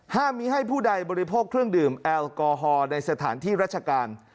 ห้ามมีให้ผู้ใดบริโภคเครื่องดื่มแอลกอฮอล์ในสถานที่ราชการ